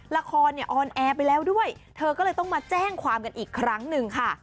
ละครเนี่ยออนแอร์ไปแล้วด้วยเธอก็เลยต้องมาแจ้งความกันอีกครั้งหนึ่งค่ะ